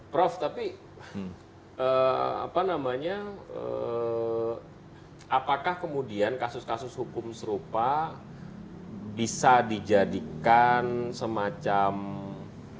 prof tapi apa namanya apakah kemudian kasus kasus hukum serupa bisa dijadikan semacam